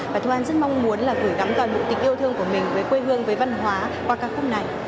và thu an rất mong muốn là gửi gắm toàn bộ tình yêu thương của mình với quê hương với văn hóa qua ca khúc này